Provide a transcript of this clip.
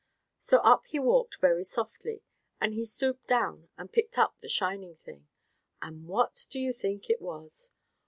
So up he walked very softly, and he stooped down and picked up the shining thing. And what do you think it was?